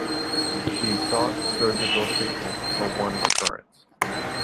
She sought surgical treatment for one recurrence.